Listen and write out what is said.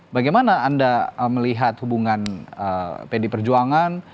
bagaimana anda melihat hubungan pdi perjuangan